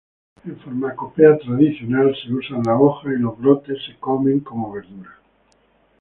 En farmacopea tradicional se usan las hojas, y los brotes se comen como verdura.